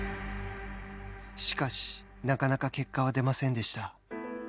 しかし、なかなか結果は出ませんでした。